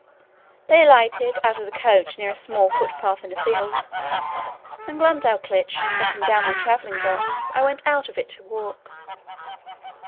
They alighted out of the coach near a small foot path in a field, and Glumdalclitch setting down my travelling box, I went out of it to walk.